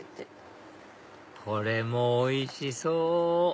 これもおいしそう！